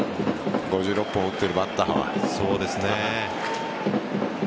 ５６本打ってるバッターは。